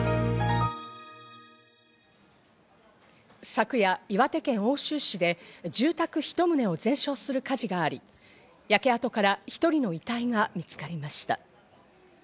昨夜、岩手県奥州市で住宅一棟を全焼する火事があり、焼け跡から１人の遺体が見つかりました。